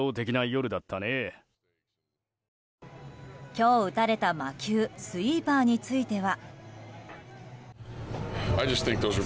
今日打たれた魔球スイーパーについては。